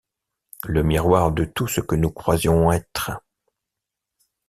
Le miroir de tout ce que nous croyons être.